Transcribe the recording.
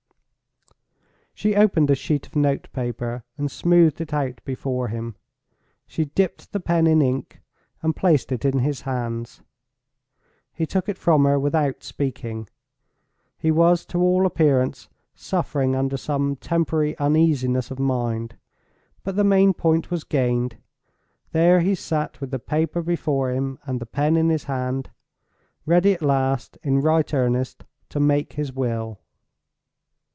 She opened a sheet of note paper and smoothed it out before him; she dipped the pen in ink, and placed it in his hands. He took it from her without speaking—he was, to all appearance, suffering under some temporary uneasiness of mind. But the main point was gained. There he sat, with the paper before him, and the pen in his hand; ready at last, in right earnest, to make his will.